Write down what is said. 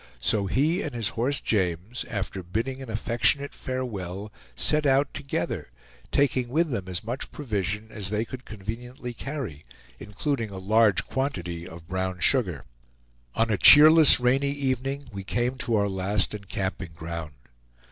So he and his horse James, after bidding an affectionate farewell, set out together, taking with them as much provision as they could conveniently carry, including a large quantity of brown sugar. On a cheerless rainy evening we came to our last encamping ground.